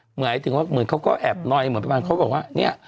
เหมือนกับเหมือนเขาก็แอบนอยเหมือนไปบ้างเขาก็บอกว่าเนี่ย